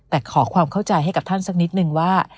แต่ขอความเข้าใจให้กับท่านสักนิดนึงว่า